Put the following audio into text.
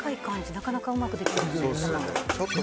なかなかうまくできへんよね。